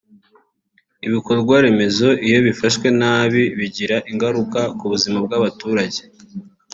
Ibikorwaremezo iyo bifashwe nabi bigira ingaruka ku buzima bw’abaturage